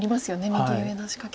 右上の仕掛け。